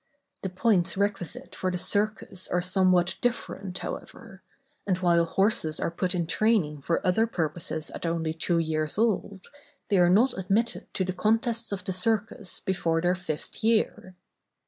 The points requisite for the Circus are somewhat different, however; and while horses are put in training for other purposes at only two years old, they are not admitted to the contests of the Circus before their fifth year.